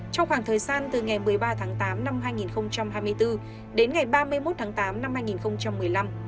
trong khoảng thời gian từ ngày một mươi ba tháng tám năm hai nghìn hai mươi bốn đến ngày ba mươi một tháng tám năm hai nghìn một mươi năm